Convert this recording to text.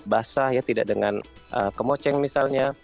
tidak dengan kemasah ya tidak dengan kemoceng misalnya